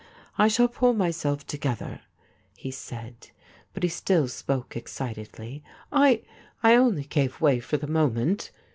I shall pull myself together,' he said ; but he still sj^oke excitedly. ' I — 30 THIS IS ALL I only gave way for the moment.